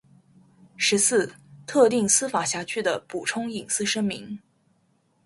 十四、特定司法辖区的补充隐私声明